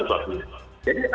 inisiatif segala sesuatu